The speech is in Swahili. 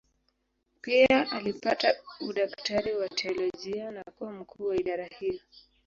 Pia alipata udaktari wa teolojia na kuwa mkuu wa idara hiyo.